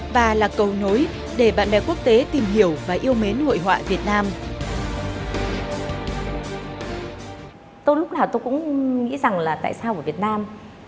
và là cầu nối để bạn bè quốc tế tìm hiểu và yêu mến hội họa việt nam